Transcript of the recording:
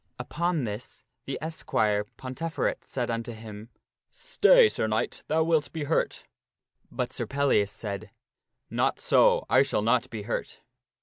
Upon this the esquire, Ponteferet, said unto him, " Stay, Sir Knight, thou wilt be hurt." But Sir Pellias said, " Not so, I shall not be hurt."